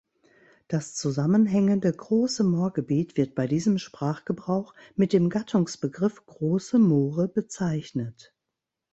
Das zusammenhängende große Moorgebiet wird bei diesem Sprachgebrauch mit dem Gattungsbegriff "große Moore" bezeichnet.